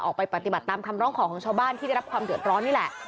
ออกไปปฏิบัติตามคำร้องขอของชาวบ้านที่ได้รับความเดือดร้อนนี่แหละ